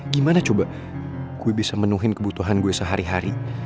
gimana coba gue bisa menuhin kebutuhan gue sehari hari